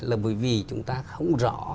là bởi vì chúng ta không rõ